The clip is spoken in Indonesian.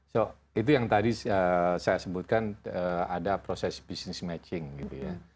so itu yang tadi saya sebutkan ada proses business matching gitu ya